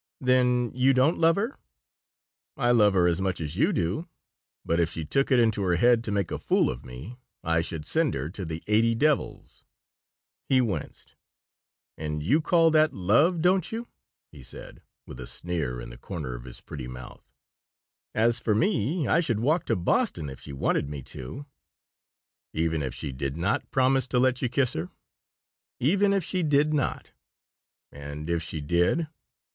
"Then you don't love her." "I love her as much as you do, but if she took it into her head to make a fool of me I should send her to the eighty devils." He winced. "And you call that love, don't you?" he said, with a sneer in the corner of his pretty mouth. "As for me, I should walk to Boston, if she wanted me to." "Even if she did not promise to let you kiss her?" "Even if she did not." "And if she did?"